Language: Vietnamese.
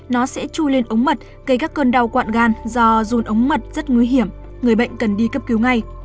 nó sẽ chu lên ống mật gây các cơn đau quạn gan do dồn ống mật rất nguy hiểm người bệnh cần đi cấp cứu ngay